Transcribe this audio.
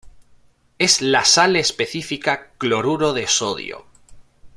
Es la sal específica cloruro de sodio.